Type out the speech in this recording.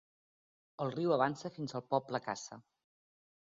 El riu avança fins al poble Kassa.